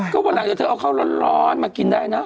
ก็วันนั้นเจ๊เอาเข้าร้อนมากินได้นะ